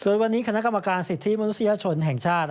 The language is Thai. วันนี้คณะกรรมการสิทธิมนุษยชนแห่งชาติ